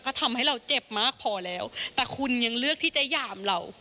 ก็ทำให้เราเจ็บมากพอแล้วแต่คุณยังเลือกที่จะหยามเรา